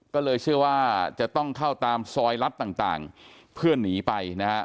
ก็เลยเชื่อว่าจะต้องเข้าตามซอยรัฐต่างเพื่อหนีไปนะฮะ